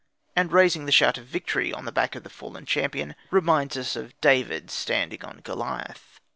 And raising the shout of victory on the back of the fallen champion reminds us of David's standing on Goliath.